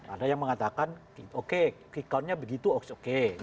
ada yang mengatakan oke kwikaun nya begitu oke